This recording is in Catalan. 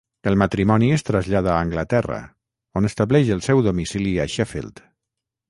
El matrimoni es trasllada a Anglaterra, on estableix el seu domicili a Sheffield.